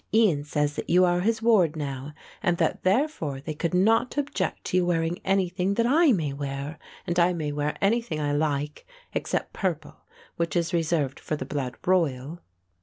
Ian says that you are his ward now and that therefore they could not object to you wearing anything that I may wear, and I may wear anything I like except purple, which is reserved for the blood royal."